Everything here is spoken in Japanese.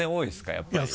やっぱり。